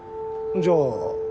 じゃあ。